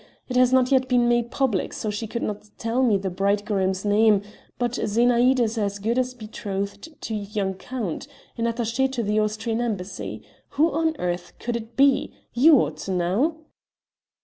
It has not yet been made public, so she could not tell me the bridegroom's name, but Zenaïde is as good as betrothed to a young count an attaché to the Austrian embassy. Who on earth can it be? You ought to know!"